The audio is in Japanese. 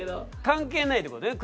関係ないってことだよね？